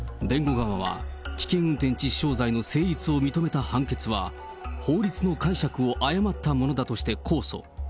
弁護側は、危険運転致死傷罪の成立を認めた判決は、法律の解釈を誤ったものだとして控訴。